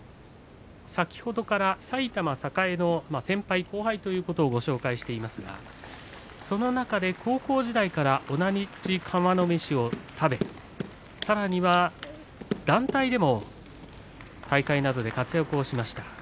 先ほどから埼玉栄の先輩後輩ということをご紹介していますがその中で高校時代から同じ釜の飯を食べさらには団体でも大会などで活躍をしました。